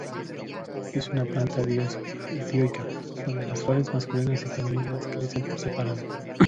Es una planta dioica, donde las flores masculinas y femeninas crecen por separado.